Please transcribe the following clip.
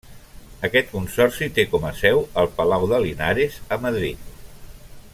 Aquest consorci té com a seu el Palau de Linares a Madrid.